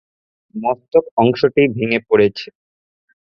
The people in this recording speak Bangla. মস্তক অংশটি ভেঙে পড়েছে।